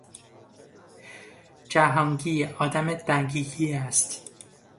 جهانگیر آدم دقیقی است.